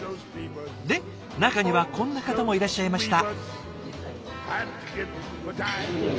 で中にはこんな方もいらっしゃいました。